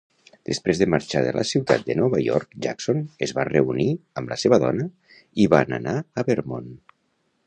Després de marxar de la ciutat de Nova York, Jackson es va reunir amb la seva dona i van anar a Vermont.